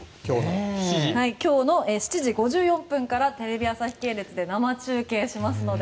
今日７時５４分からテレビ朝日系列で生中継しますので。